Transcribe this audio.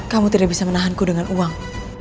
kamu tidak bisa menahanku dengan uang